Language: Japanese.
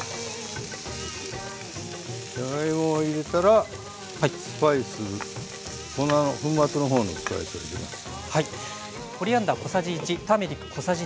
じゃがいもを入れたらスパイス粉末の方のスパイスを入れます。